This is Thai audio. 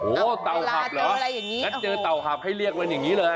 โอ้โฮเต่าหับเหรอแล้วเจอเต่าหับให้เรียกมันอย่างนี้เลย